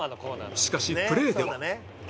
しかしプレーでは